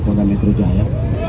kepada metro jaya